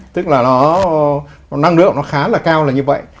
tức là nó năng lượng nó khá là cao là như vậy